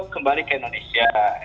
kembali ke indonesia